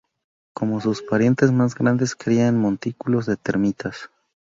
Como sus parientes más grandes cría en montículos de termitas.